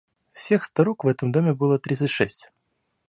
Всех старух в этом доме было тридцать шесть.